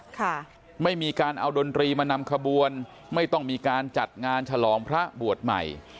ค่ะไม่มีการเอาดนตรีมานำขบวนไม่ต้องมีการจัดงานฉลองพระบวชใหม่